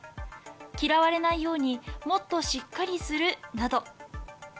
嫌われないようにもっとしっかりするなど。